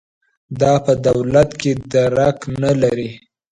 دا په دولت کې درک نه لري.